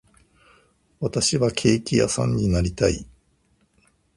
私はケーキ屋さんになりたい